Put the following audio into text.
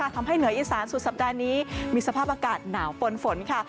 เหนืออีสานสุดสัปดาห์นี้มีสภาพอากาศหนาวปนฝนค่ะ